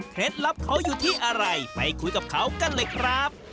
ลับเขาอยู่ที่อะไรไปคุยกับเขากันเลยครับ